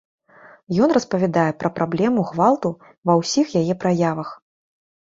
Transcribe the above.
Ён распавядае пра праблему гвалту ва ўсіх яе праявах.